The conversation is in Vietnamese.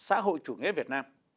cộng hòa xã hội chủ nghĩa việt nam